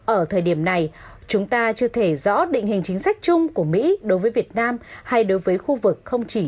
ở thời điểm này chúng ta chưa thể rõ định hình chính sách chung của mỹ đối với việt nam hay đối với khu vực không chỉ